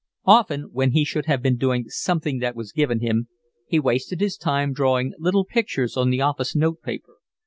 Often, when he should have been doing something that was given him, he wasted his time drawing little pictures on the office note paper.